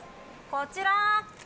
こちら。